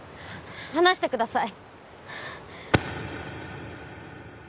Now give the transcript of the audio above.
離してください